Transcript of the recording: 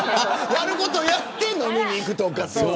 やることをやって飲みに行く。